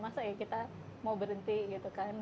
masa ya kita mau berhenti gitu kan